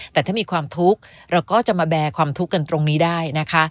แต่ถ้ามีความทุกข์เราก็จะมาแบร์ความทุกข์กันตรงนี้ได้นะคะ